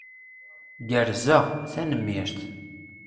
Gerrzeɣ. Tanemmirt.